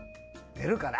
出るかな？